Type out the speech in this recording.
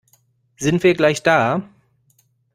Sind wir gleich da?